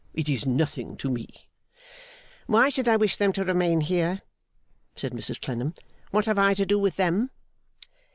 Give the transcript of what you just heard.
It is nothing to me.' 'Why should I wish them to remain here?' said Mrs Clennam. 'What have I to do with them?